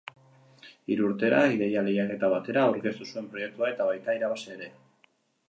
Hiru urtera, ideia lehiaketa batera aurkeztu zuen proiektua eta baita irabazi ere.